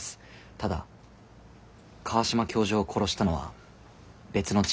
ただ川島教授を殺したのは別の人物だと思います。